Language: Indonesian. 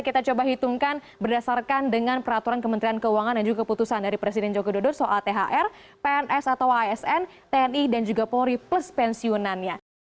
kita coba hitungkan berdasarkan dengan peraturan kementerian keuangan dan juga keputusan dari presiden joko dodo soal thr pns atau asn tni dan juga polri plus pensiunannya